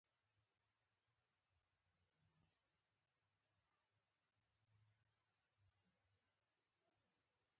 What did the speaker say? هغه ډله چې تنزیهي تمایل یې درلود.